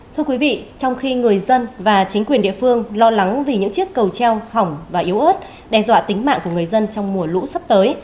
thưa quý vị trong khi người dân và chính quyền địa phương lo lắng vì những chiếc cầu treo hỏng và yếu ớt đe dọa tính mạng của người dân trong mùa lũ sắp tới